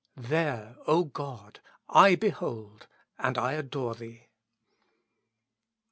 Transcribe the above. There, O God, I behold and I adore Thee!